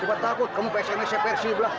coba takut kamu psn nya si pesiblah